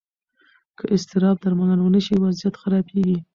که اضطراب درملنه ونه شي، وضعیت خرابېږي.